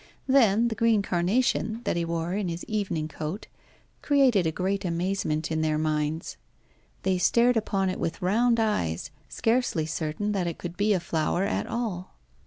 Then the green carnation that he wore in his evening coat created a great amazement in their minds. They stared upon it with round eyes, scarcely certain that it could be a flower at all.